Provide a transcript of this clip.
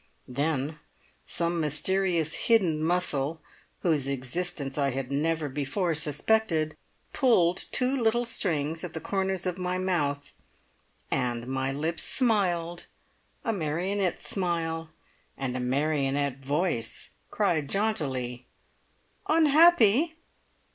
Then some mysterious hidden muscle, whose existence I had never before suspected, pulled two little strings at the corners of my mouth, and my lips smiled a marionette smile and a marionette voice cried jauntily: "Unhappy?